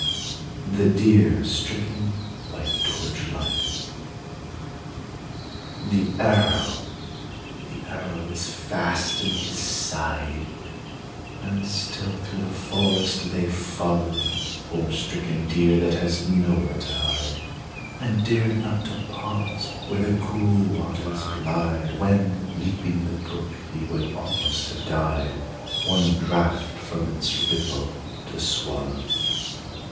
THE DEER STRICKEN BY TORCH LIGHT. The arrow! the arrow is fast in his side! And still through the forest they follow The poor stricken deer, that has nowhere to hide, And dared not to pause where the cool waters glide, When, leaping the brook, he would almost have died, One draught from its ripple to swallow.